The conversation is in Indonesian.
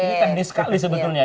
ini teknis sekali sebetulnya